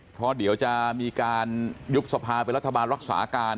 เพราะเดี๋ยวจะมีการยุบสภาเป็นรัฐบาลรักษาการ